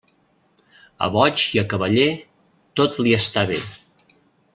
A boig i a cavaller, tot li està bé.